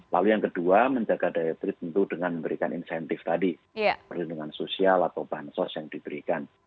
lalu yang kedua menjaga daya terbentuk dengan memberikan insentif tadi perlindungan sosial atau bahan sos yang diberikan